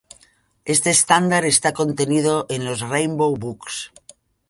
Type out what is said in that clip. Este estándar está contenido en los Rainbow Books.